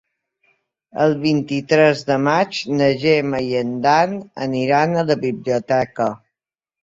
El vint-i-tres de maig na Gemma i en Dan aniran a la biblioteca.